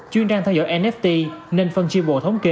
chuyên trang theo dõi nft nên phân chiêm bộ thống kê